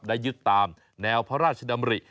ยึดตามแนวพระราชดำริ